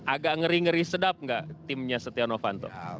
agak ngeri ngeri sedap gak timnya sotiano fanto